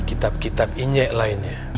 kitab kitab inyek lainnya